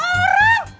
malah nyuruh orang